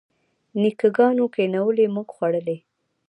نیکه ګانو کینولي موږ خوړلي.